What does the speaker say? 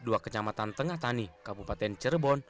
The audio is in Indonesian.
dua kecamatan tengah tani kabupaten cirebon